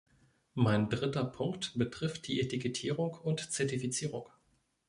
Mein dritter Punkt betrifft die Etikettierung und Zertifizierung.